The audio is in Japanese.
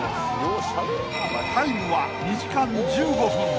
［タイムは２時間１５分］